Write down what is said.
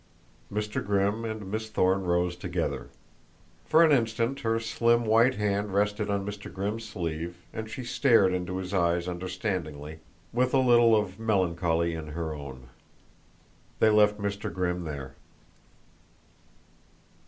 Mr. Grimm and Miss Thorne rose together. For an instant her slim white hand rested on Mr. Grimm's sleeve and she stared into his eyes understandingly with a little of melancholy in her own. They left Mr. Grimm there.